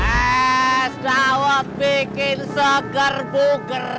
eh sedawat bikin seger buger